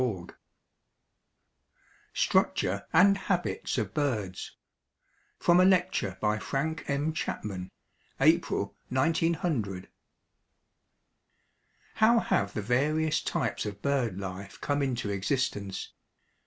STRUCTURE AND HABITS OF BIRDS. From a lecture by Frank M. Chapman, April, 1900. How have the various types of bird life come into existence?